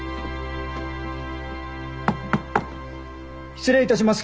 失礼いたします